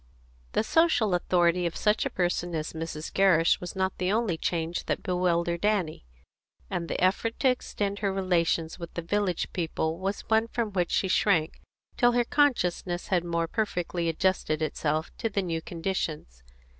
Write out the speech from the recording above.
The social authority of such a person as Mrs. Gerrish was not the only change that bewildered Annie, and the effort to extend her relations with the village people was one from which she shrank till her consciousness had more perfectly adjusted itself to the new conditions.